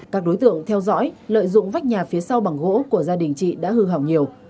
các đối tượng theo dõi lợi dụng vách nhà phía sau bằng gỗ của gia đình chị đã hư hỏng nhiều